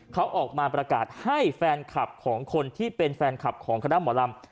เขาออกมาประกาศให้แฟนคลับของคนที่เป็นแฟนคลับของคณะหมอลำ